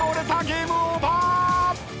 ゲームオーバー！］